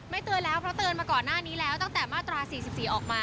เตือนแล้วเพราะเตือนมาก่อนหน้านี้แล้วตั้งแต่มาตรา๔๔ออกมา